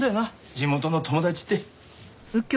地元の友達って。